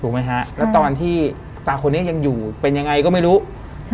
ไหมฮะแล้วตอนที่ตาคนนี้ยังอยู่เป็นยังไงก็ไม่รู้ใช่